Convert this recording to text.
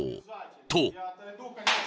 ［と］